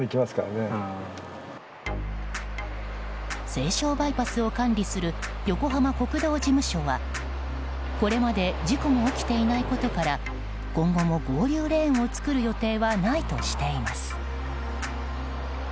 西湘バイパスを管理する横浜国道事務所はこれまで事故も起きていないことから今後も合流レーンを作る予定はないとしています。